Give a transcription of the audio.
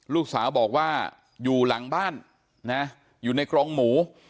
ลูกสาวบอกว่าอยู่หลังบ้านนะอยู่ในกรงหมู